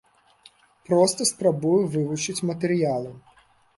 Проста спрабую вывучыць матэрыялы.